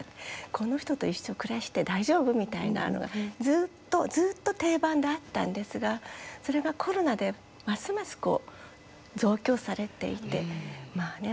この人と一生暮らして大丈夫？みたいなのがずっとずっと定番だったんですがそれがコロナでますます増強されていてまあね